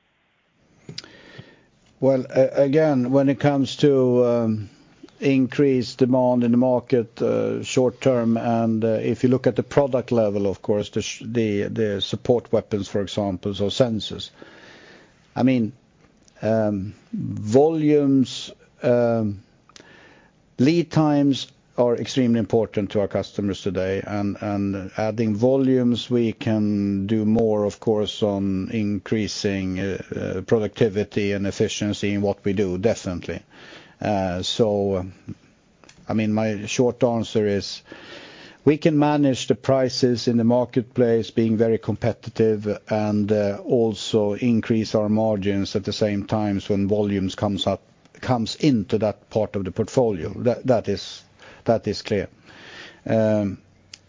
Well, again, when it comes to increased demand in the market, short term, and if you look at the product level, of course, the support weapons, for example, or sensors. I mean, volumes, lead times are extremely important to our customers today. Adding volumes, we can do more, of course, on increasing productivity and efficiency in what we do, definitely. So I mean, my short answer is we can manage the prices in the marketplace being very competitive and also increase our margins at the same times when volumes comes up into that part of the portfolio. That is clear.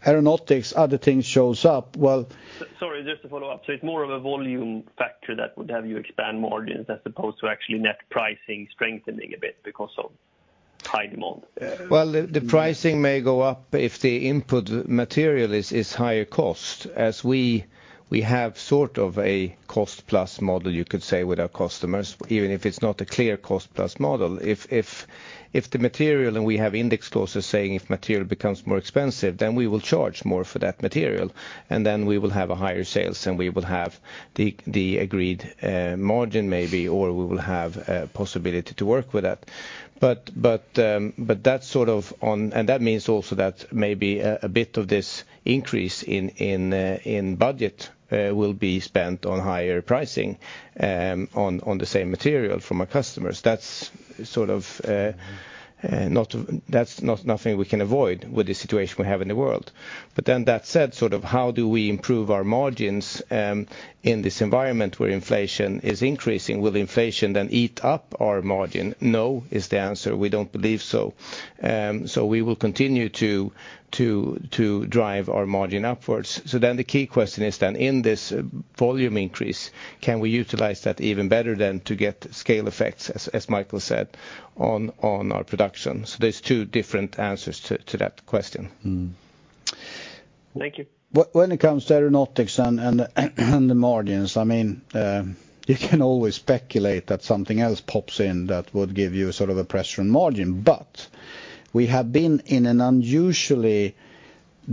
Aeronautics, other things shows up. Well Sorry, just to follow up. It's more of a volume factor that would have you expand margins as opposed to actually net pricing strengthening a bit because of high demand. Well, the pricing may go up if the input material is higher cost. As we have sort of a cost plus model, you could say, with our customers, even if it's not a clear cost plus model. If the material and we have index clauses saying if material becomes more expensive, then we will charge more for that material, and then we will have higher sales and we will have the agreed margin maybe, or we will have a possibility to work with that. That sort of, and that means also that maybe a bit of this increase in budget will be spent on higher pricing on the same material from our customers. That's sort of not nothing we can avoid with the situation we have in the world. That said, sort of how do we improve our margins in this environment where inflation is increasing? Will inflation then eat up our margin? No, is the answer. We don't believe so. We will continue to drive our margin upwards. The key question is then in this volume increase, can we utilize that even better than to get scale effects, as Micael said, on our production? There's two different answers to that question. Thank you. When it comes to Aeronautics and the margins, I mean, you can always speculate that something else pops in that would give you sort of a pressure on margin. But we have been in an unusually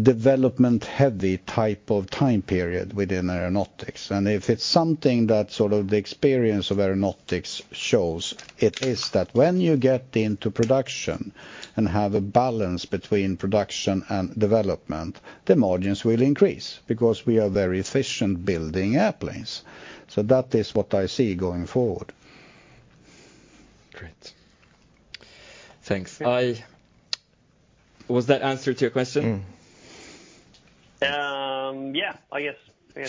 development-heavy type of time period within Aeronautics. And if it's something that sort of the experience of Aeronautics shows, it is that when you get into production and have a balance between production and development, the margins will increase because we are very efficient building airplanes. That is what I see going forward. Great. Thanks. Was that answer to your question? Mm. Yeah. I guess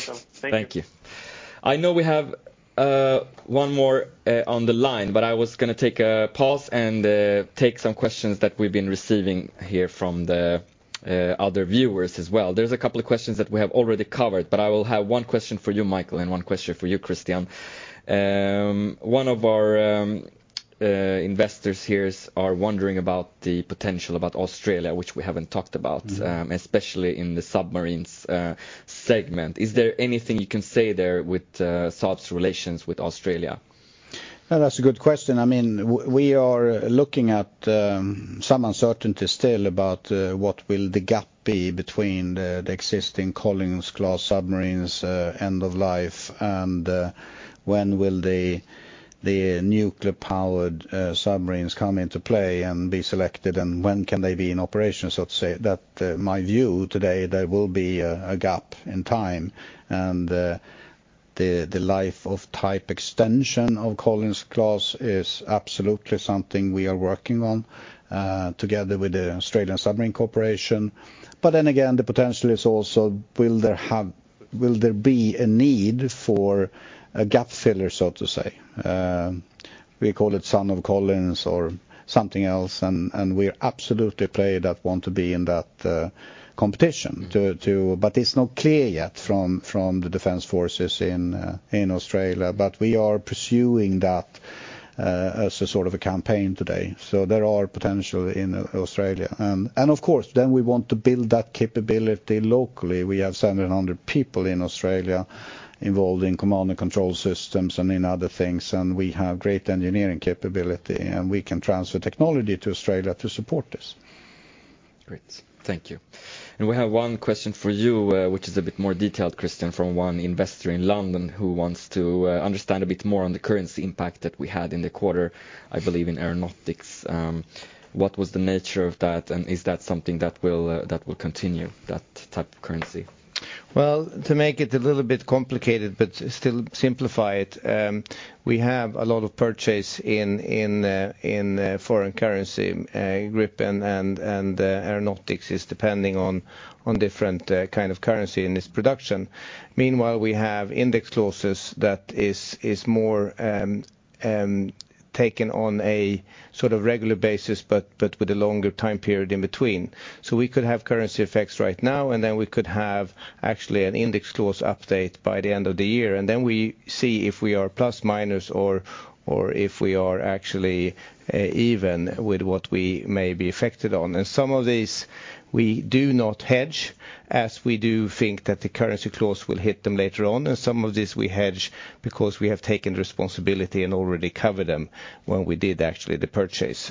so. Thank you. Thank you. I know we have one more on the line, but I was gonna take a pause and take some questions that we've been receiving here from the other viewers as well. There's a couple of questions that we have already covered, but I will have one question for you, Micael, and one question for you, Christian. One of our investors here is wondering about the potential about Australia, which we haven't talked about. Mm. Especially in the submarines segment. Is there anything you can say there with Saab's relations with Australia? No, that's a good question. I mean, we are looking at some uncertainty still about what will the gap be between the existing Collins class submarines end of life and when will the nuclear powered submarines come into play and be selected, and when can they be in operation, so to say. That, my view today, there will be a gap in time and the life of type extension of Collins class is absolutely something we are working on together with the Australian Submarine Corporation. The potential is also will there be a need for a gap filler, so to say. We call it Son of Collins or something else, and we're absolutely a player that want to be in that competition to... It's not clear yet from the defense forces in Australia. We are pursuing that as a sort of a campaign today. There are potential in Australia. Of course, then we want to build that capability locally. We have 700 people in Australia involved in command and control systems and in other things, and we have great engineering capability, and we can transfer technology to Australia to support this. Great. Thank you. We have one question for you, which is a bit more detailed, Christian, from one investor in London who wants to understand a bit more on the currency impact that we had in the quarter, I believe, in Aeronautics. What was the nature of that, and is that something that will continue, that type of currency? Well, to make it a little bit complicated, but still simplify it, we have a lot of purchase in foreign currency, Gripen and Aeronautics is depending on different kind of currency in this production. Meanwhile, we have index clauses that is more taken on a sort of regular basis, but with a longer time period in between. We could have currency effects right now, and then we could have actually an index clause update by the end of the year. Then we see if we are plus minus or if we are actually even with what we may be affected on. Some of these we do not hedge, as we do think that the currency clause will hit them later on. Some of these we hedge because we have taken responsibility and already covered them when we did actually the purchase.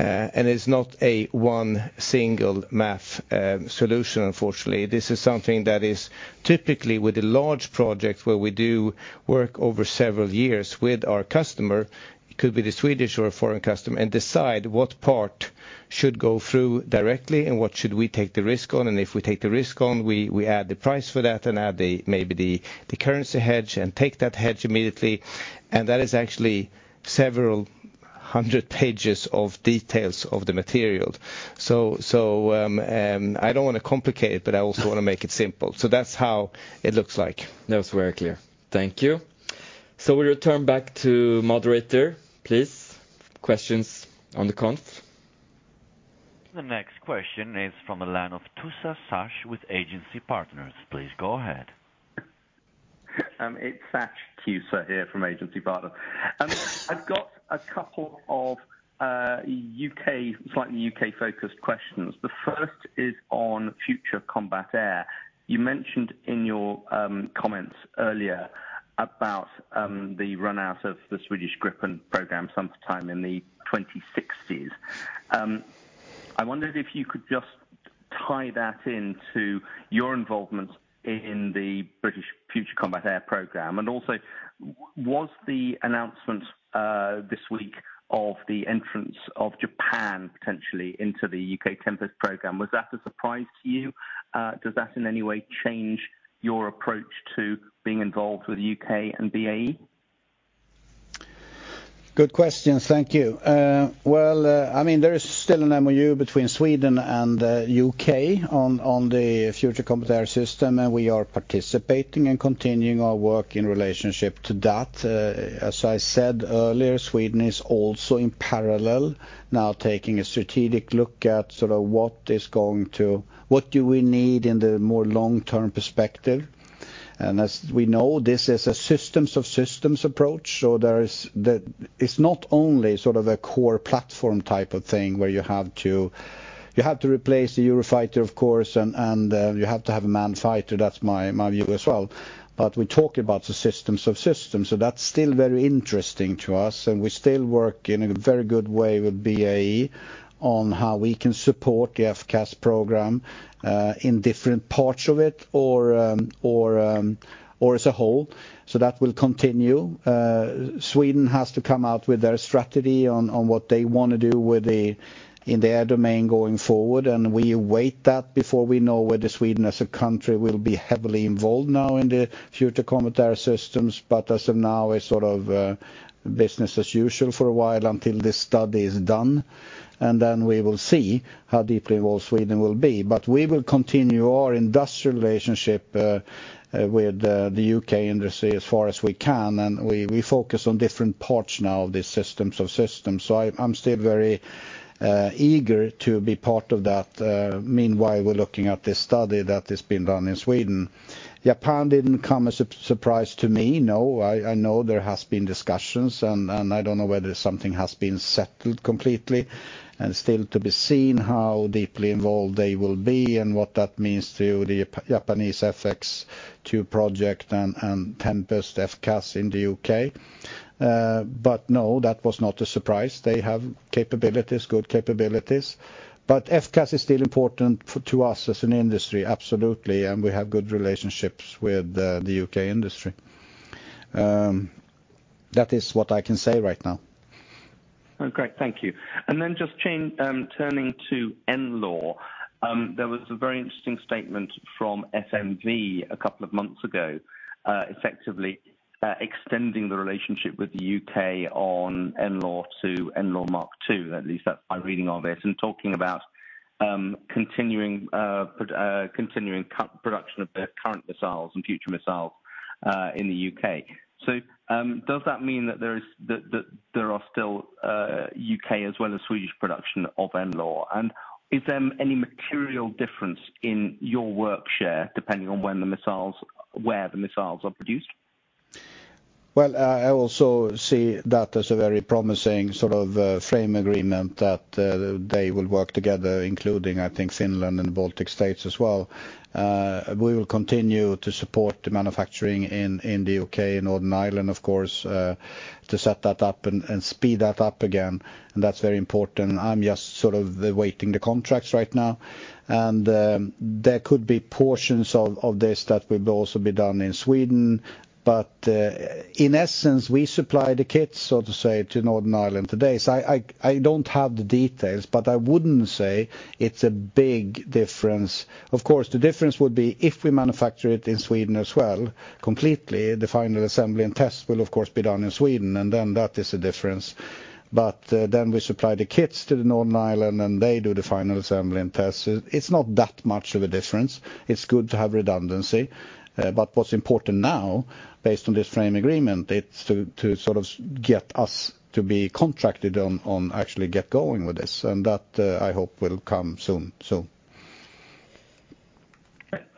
It's not a one single math solution, unfortunately. This is something that is typically with a large project where we do work over several years with our customer, it could be the Swedish or a foreign customer, and decide what part should go through directly and what should we take the risk on. If we take the risk on, we add the price for that and add the, maybe the currency hedge and take that hedge immediately. That is actually several hundred pages of details of the material. I don't wanna complicate it, but I also wanna make it simple. That's how it looks like. That was very clear. Thank you. We return back to moderator, please. Questions on the conf. The next question is from the line of Tusa Sash with Agency Partners. Please go ahead. It's Sash Tusa here from Agency Partners. I've got a couple of slightly U.K.-focused questions. The first is on Future Combat Air. You mentioned in your comments earlier about the run out of the Swedish Gripen program sometime in the 2060s. I wondered if you could just tie that into your involvement in the British Future Combat Air program. Also, was the announcement this week of the entrance of Japan potentially into the U.K. Tempest program a surprise to you? Does that in any way change your approach to being involved with U.K. and BAE Systems? Good question. Thank you. Well, I mean, there is still an MOU between Sweden and the U.K. on the Future Combat Air System, and we are participating and continuing our work in relationship to that. As I said earlier, Sweden is also in parallel now taking a strategic look at sort of what do we need in the more long-term perspective? As we know, this is a systems of systems approach, so there is the. It's not only sort of a core platform type of thing where you have to replace the Eurofighter, of course, and you have to have a manned fighter. That's my view as well. We talk about the systems of systems, so that's still very interesting to us and we still work in a very good way with BAE on how we can support the FCAS program in different parts of it or as a whole. That will continue. Sweden has to come out with their strategy on what they wanna do with the in their domain going forward, and we await that before we know whether Sweden as a country will be heavily involved now in the Future Combat Air Systems. As of now, it's sort of business as usual for a while until this study is done, and then we will see how deeply involved Sweden will be. We will continue our industrial relationship with the U.K. industry as far as we can, and we focus on different parts now of this systems of systems. I'm still very eager to be part of that. Meanwhile, we're looking at this study that is being done in Sweden. Japan didn't come as a surprise to me. No, I know there has been discussions and I don't know whether something has been settled completely, and still to be seen how deeply involved they will be and what that means to the Japanese F-X project and Tempest FCAS in the U.K. No, that was not a surprise. They have capabilities, good capabilities. FCAS is still important to us as an industry, absolutely, and we have good relationships with the UK industry. That is what I can say right now. Oh, great. Thank you. Just turning to NLAW, there was a very interesting statement from FMV a couple of months ago, effectively extending the relationship with the U.K. on NLAW to NLAW Mark 2, at least that's my reading of it, and talking about continuing co-production of the current missiles and future missiles in the U.K. Does that mean that there is, that there are still U.K. as well as Swedish production of NLAW? And is there any material difference in your work share depending on when the missiles, where the missiles are produced? Well, I also see that as a very promising sort of frame agreement that they will work together, including, I think, Finland and Baltic States as well. We will continue to support the manufacturing in the U.K. and Northern Ireland, of course, to set that up and speed that up again. That's very important. I'm just sort of awaiting the contracts right now. There could be portions of this that will also be done in Sweden, but in essence, we supply the kits, so to say, to Northern Ireland today. I don't have the details, but I wouldn't say it's a big difference. Of course, the difference would be if we manufacture it in Sweden as well, completely, the final assembly and tests will of course be done in Sweden, and then that is a difference. Then we supply the kits to Northern Ireland and they do the final assembly and tests. It's not that much of a difference. It's good to have redundancy. What's important now, based on this frame agreement, it's to sort of get us to be contracted on actually get going with this. That, I hope will come soon.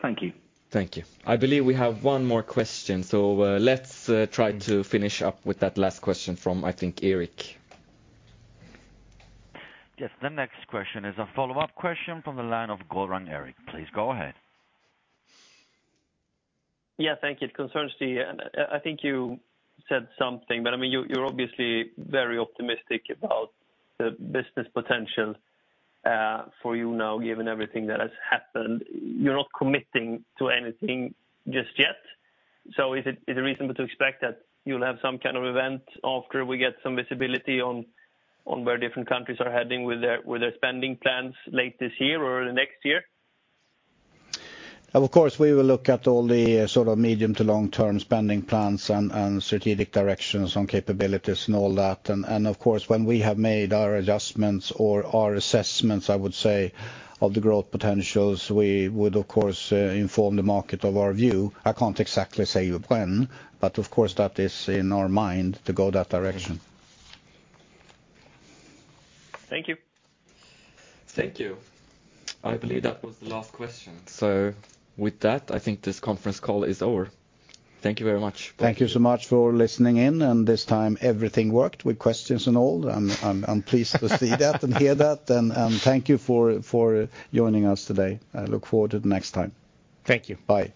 Thank you. Thank you. I believe we have one more question. Let's try to finish up with that last question from, I think, Erik. Yes, the next question is a follow-up question from the line of Göran Erik. Please go ahead. Yeah, thank you. It concerns the I think you said something, but I mean, you're obviously very optimistic about the business potential for you now, given everything that has happened. You're not committing to anything just yet. Is it reasonable to expect that you'll have some kind of event after we get some visibility on where different countries are heading with their spending plans late this year or next year? Of course, we will look at all the sort of medium to long-term spending plans and strategic directions on capabilities and all that. Of course, when we have made our adjustments or our assessments, I would say, of the growth potentials, we would of course, inform the market of our view. I can't exactly say when, but of course that is in our mind to go that direction. Thank you. Thank you. I believe that was the last question. With that, I think this conference call is over. Thank you very much. Thank you so much for listening in, and this time everything worked with questions and all. I'm pleased to see that and hear that. Thank you for joining us today. I look forward to next time. Thank you. Bye.